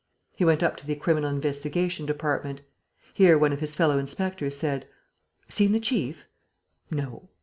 He went up to the Criminal Investigation Department. Here, one of his fellow inspectors said: "Seen the chief?" "No."